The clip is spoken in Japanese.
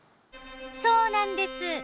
そうなんです。